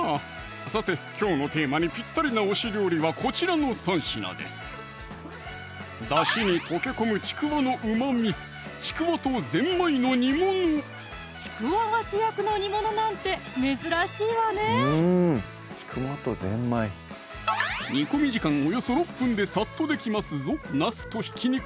さてきょうのテーマにぴったりな推し料理はこちらの３品ですだしに溶け込むちくわのうまみちくわが主役の煮ものなんて珍しいわね煮込み時間およそ６分でサッとできますぞ